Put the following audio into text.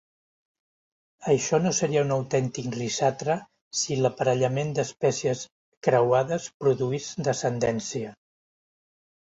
Això no seria un autèntic rishathra si l'aparellament d'espècies creuades produís descendència.